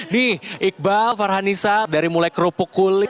nih iqbal farhanisa dari mulai kerupuk kulit